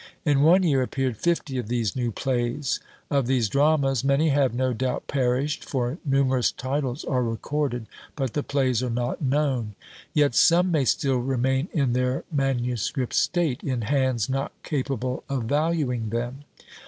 In one year appeared fifty of these new plays. Of these dramas many have, no doubt, perished; for numerous titles are recorded, but the plays are not known; yet some may still remain in their manuscript state, in hands not capable of valuing them.